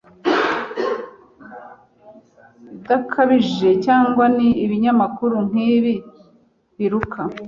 Ibidakabije cyangwa n ibinyamakuru nkibi biruka